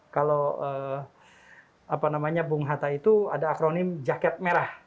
kalau apa namanya bung hatta itu ada akronim jaket merah